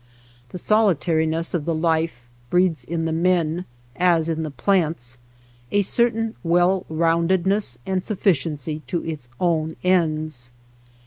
The solitariness of the life breeds in the men, as in the plants, a cer tain well roundedness and sufficiency to its own ends.